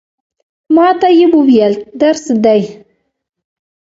ما ته یې وویل، درس دی.